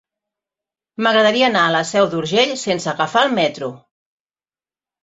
M'agradaria anar a la Seu d'Urgell sense agafar el metro.